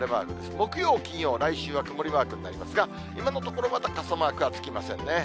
木曜、金曜、来週は曇りマークになりますが、今のところ、まだ傘マークはつきませんね。